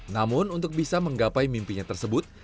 namun untuk bisa menggapai mimpinya tersebut